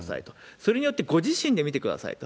それによってご自身で見てくださいと。